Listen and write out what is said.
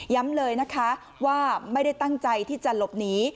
เลยนะคะว่าไม่ได้ตั้งใจที่จะหลบหนี